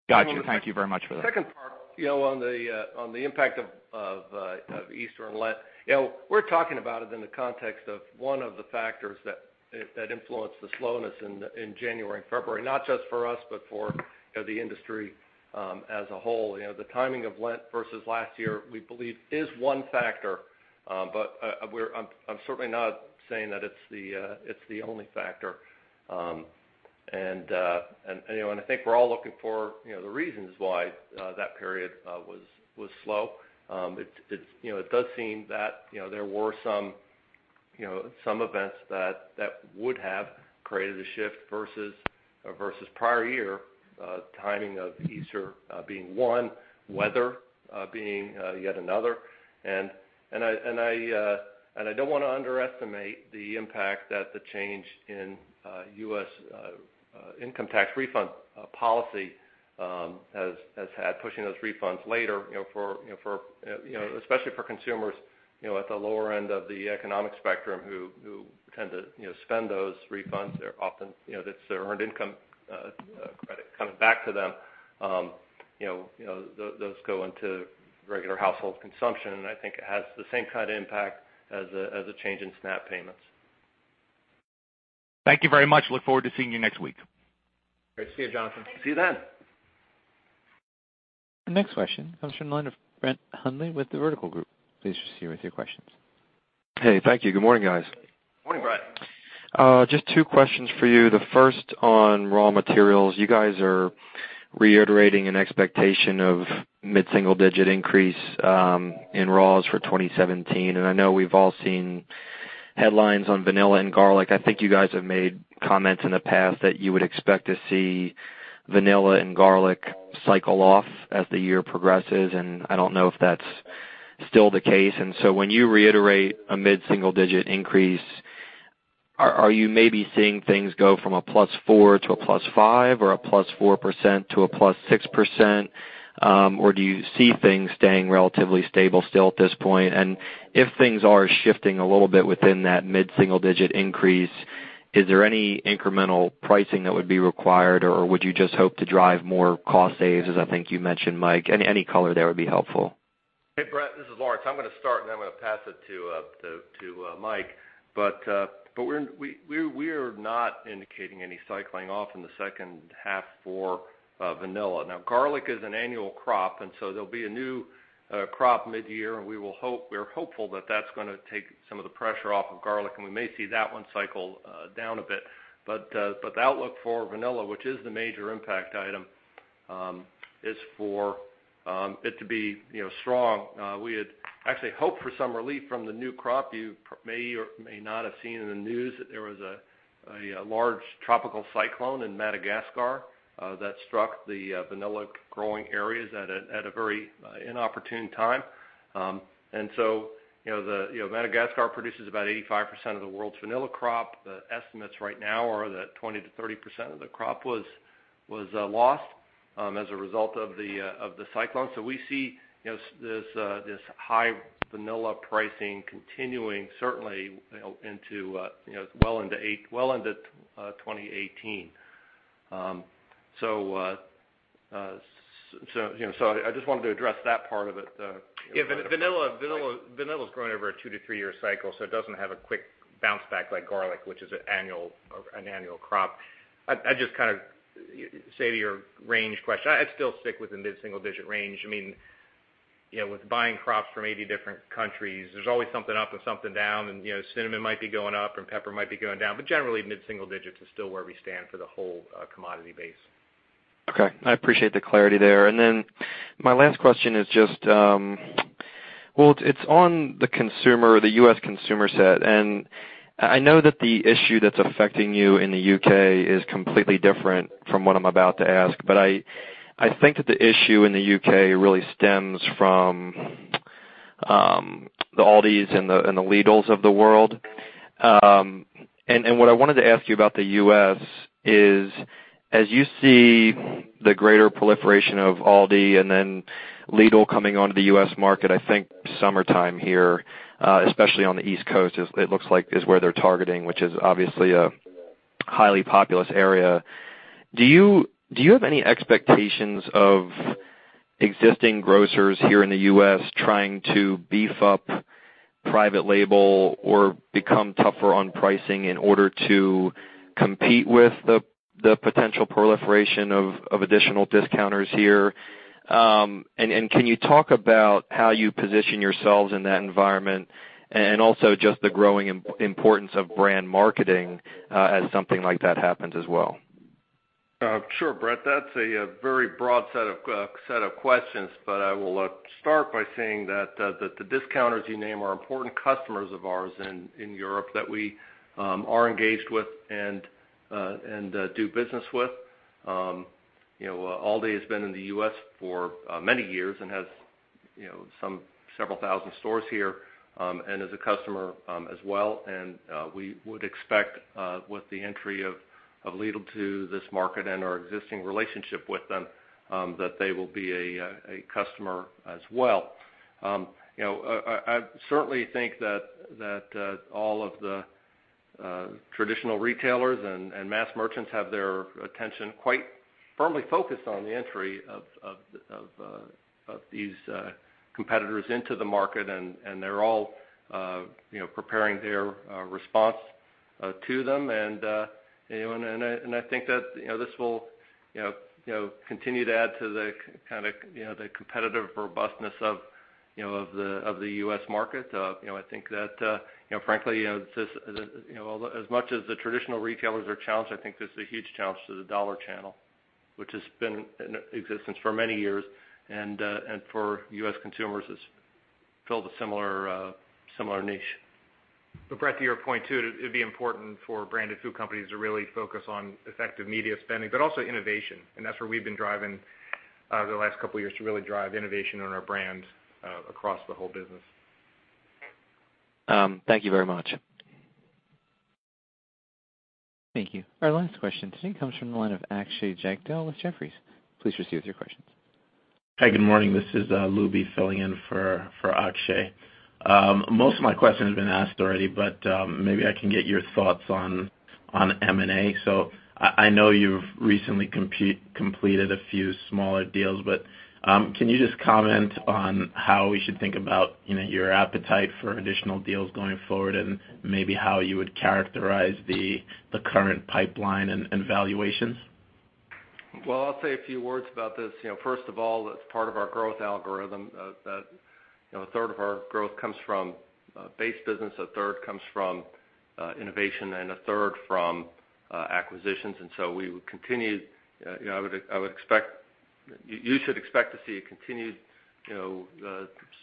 Got you. Thank you very much for that. Second part, on the impact of Easter and Lent, we're talking about it in the context of one of the factors that influenced the slowness in January and February, not just for us, but for the industry as a whole. The timing of Lent versus last year, we believe is one factor, but I'm certainly not saying that it's the only factor. I think we're all looking for the reasons why that period was slow. It does seem that there were some events that would have created a shift versus prior year, timing of Easter being one, weather being yet another. I don't want to underestimate the impact that the change in U.S. income tax refund policy has had, pushing those refunds later, especially for consumers at the lower end of the economic spectrum who tend to spend those refunds. That's their earned income credit coming back to them. Those go into regular household consumption, and I think it has the same kind of impact as a change in SNAP payments. Thank you very much. Look forward to seeing you next week. Great to see you, Jonathan. See you then. Our next question comes from the line of Brett Hundley with The Vertical Group. Please proceed with your questions. Hey, thank you. Good morning, guys. Morning, Brett. Just two questions for you. The first on raw materials. You guys are reiterating an expectation of mid-single-digit increase in raws for 2017. I know we've all seen headlines on vanilla and garlic. I think you guys have made comments in the past that you would expect to see vanilla and garlic cycle off as the year progresses. I don't know if that's still the case. When you reiterate a mid-single digit increase, are you maybe seeing things go from a plus 4 to a plus 5 or a plus 4% to a plus 6%? Do you see things staying relatively stable still at this point? If things are shifting a little bit within that mid-single digit increase, is there any incremental pricing that would be required, or would you just hope to drive more cost saves, as I think you mentioned, Mike? Any color there would be helpful. Hey, Brett, this is Lawrence. I'm going to start. Then I'm going to pass it to Mike. We are not indicating any cycling off in the second half for vanilla. Garlic is an annual crop. There will be a new crop mid-year. We are hopeful that that's going to take some of the pressure off of garlic, and we may see that one cycle down a bit. The outlook for vanilla, which is the major impact item, is for it to be strong. We had actually hoped for some relief from the new crop. You may or may not have seen in the news that there was a large tropical cyclone in Madagascar that struck the vanilla growing areas at a very inopportune time. Madagascar produces about 85% of the world's vanilla crop. The estimates right now are that 20%-30% of the crop was lost as a result of the cyclone. We see this high vanilla pricing continuing certainly well into 2018. I just wanted to address that part of it. Vanilla is growing over a 2-3 year cycle, so it doesn't have a quick bounce back like garlic, which is an annual crop. I just kind of say to your range question, I'd still stick within mid-single digit range. With buying crops from 80 different countries, there's always something up and something down. Cinnamon might be going up and pepper might be going down, but generally mid-single digits is still where we stand for the whole commodity base. Okay. I appreciate the clarity there. My last question is just, well, it's on the consumer, the U.S. consumer set. I know that the issue that's affecting you in the U.K. is completely different from what I'm about to ask, but I think that the issue in the U.K. really stems from the Aldis and the Lidls of the world. What I wanted to ask you about the U.S. is, as you see the greater proliferation of Aldi and then Lidl coming onto the U.S. market, I think summertime here, especially on the East Coast, it looks like is where they're targeting, which is obviously a highly populous area. Do you have any expectations of existing grocers here in the U.S. trying to beef up private label or become tougher on pricing in order to compete with the potential proliferation of additional discounters here? Can you talk about how you position yourselves in that environment and also just the growing importance of brand marketing as something like that happens as well? Sure, Brett, that's a very broad set of questions. I will start by saying that the discounters you name are important customers of ours in Europe that we are engaged with and do business with. Aldi has been in the U.S. for many years and has several thousand stores here and is a customer as well. We would expect with the entry of Lidl to this market and our existing relationship with them, that they will be a customer as well. I certainly think that all of the traditional retailers and mass merchants have their attention quite firmly focused on the entry of these competitors into the market, and they're all preparing their response to them. I think that this will continue to add to the competitive robustness of the U.S. market. I think that, frankly, as much as the traditional retailers are challenged, I think this is a huge challenge to the dollar channel. Which has been in existence for many years, and for U.S. consumers, it's filled a similar niche. Brett, to your point too, it'd be important for branded food companies to really focus on effective media spending, but also innovation. That's where we've been driving the last couple of years to really drive innovation on our brand across the whole business. Thank you very much. Thank you. Our last question today comes from the line of Akshay Jagdale with Jefferies. Please proceed with your questions. Hi, good morning. This is Lubi filling in for Akshay. Most of my question has been asked already, but maybe I can get your thoughts on M&A. I know you've recently completed a few smaller deals, but can you just comment on how we should think about your appetite for additional deals going forward and maybe how you would characterize the current pipeline and valuations? Well, I'll say a few words about this. First of all, it's part of our growth algorithm that a third of our growth comes from base business, a third comes from innovation, and a third from acquisitions. You should expect to see a continued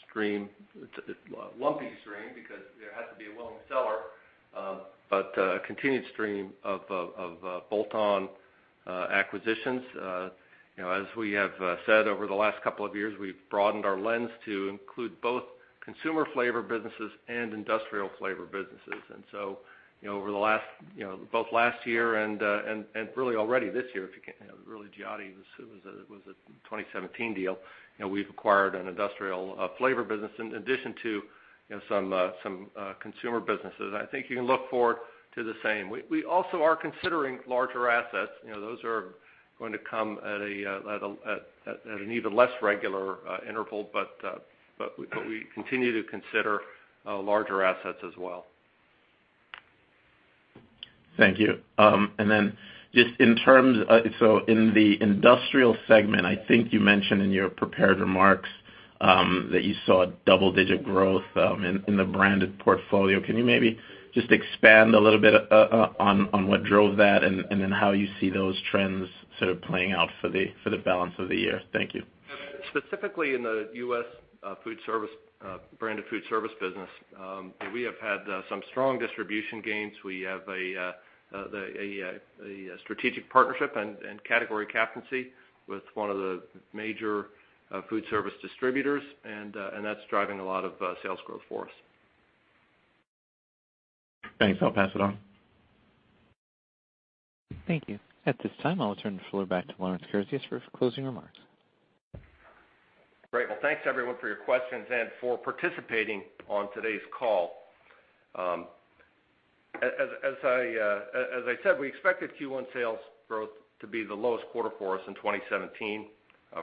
stream, lumpy stream, because there has to be a willing seller, but a continued stream of bolt-on acquisitions. As we have said over the last couple of years, we've broadened our lens to include both consumer flavor businesses and industrial flavor businesses. Both last year and really already this year, really Giotti was a 2017 deal, we've acquired an industrial flavor business in addition to some consumer businesses. I think you can look forward to the same. We also are considering larger assets. Those are going to come at an even less regular interval. We continue to consider larger assets as well. Thank you. Just in the industrial segment, I think you mentioned in your prepared remarks that you saw double-digit growth in the branded portfolio. Can you maybe just expand a little bit on what drove that and how you see those trends sort of playing out for the balance of the year? Thank you. Specifically in the U.S. branded food service business, we have had some strong distribution gains. We have a strategic partnership and category captaincy with one of the major food service distributors, that's driving a lot of sales growth for us. Thanks. I'll pass it on. Thank you. At this time, I will turn the floor back to Lawrence Kurzius for his closing remarks. Great. Well, thanks everyone for your questions and for participating on today's call. As I said, we expected Q1 sales growth to be the lowest quarter for us in 2017,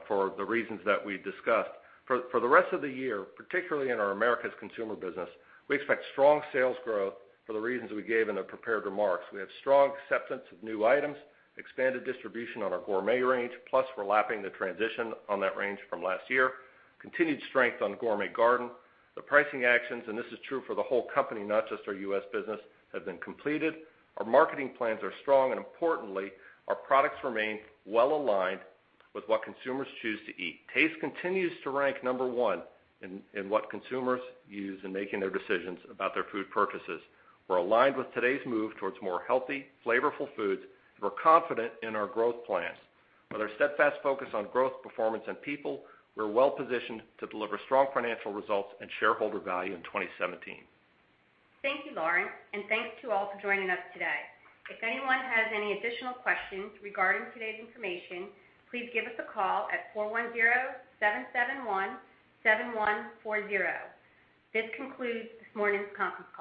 for the reasons that we've discussed. For the rest of the year, particularly in our Americas consumer business, we expect strong sales growth for the reasons we gave in the prepared remarks. We have strong acceptance of new items, expanded distribution on our gourmet range, plus we're lapping the transition on that range from last year, continued strength on Gourmet Garden. The pricing actions, and this is true for the whole company, not just our U.S. business, have been completed. Importantly, our products remain well aligned with what consumers choose to eat. Taste continues to rank number one in what consumers use in making their decisions about their food purchases. We're aligned with today's move towards more healthy, flavorful foods. We're confident in our growth plans. With our steadfast focus on growth, performance, and people, we're well positioned to deliver strong financial results and shareholder value in 2017. Thank you, Lawrence. Thanks to all for joining us today. If anyone has any additional questions regarding today's information, please give us a call at 410-771-7140. This concludes this morning's conference call.